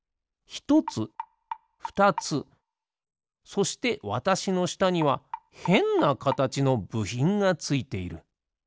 そしてわたしのしたにはへんなかたちのぶひんがついている。